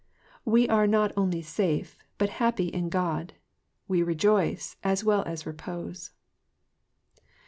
We are not only safe, but happy in God ;> we rejoice^ ^ as well as repose.